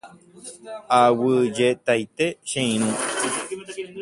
Aguyjetaite che irũ.